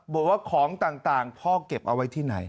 บอกว่าของต่างพ่อเก็บเอาไว้ที่ไหน